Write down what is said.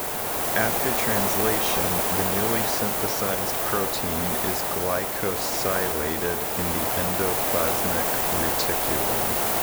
After translation, the newly synthesized protein is glycosylated in the endoplasmic reticulum.